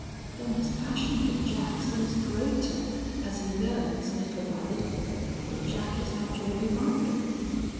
Then his passion for Jack seems greater as he learns little by little that Jack is not all he might be.